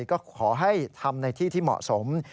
ก็ขอให้ทำในที่ที่เหมาะสม